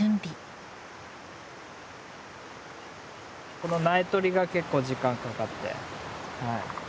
この苗とりが結構時間かかって。